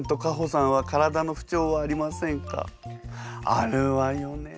あるわよね。